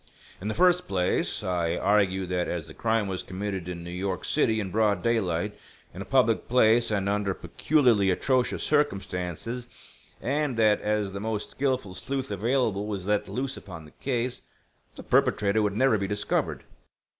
"In the first place, I argued that as the crime was committed in New York City in broad daylight, in a public place and under peculiarly atrocious circumstances, and that as the most skilful sleuth available was let loose upon the case, the perpetrator would never be discovered.